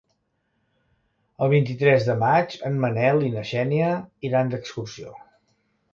El vint-i-tres de maig en Manel i na Xènia iran d'excursió.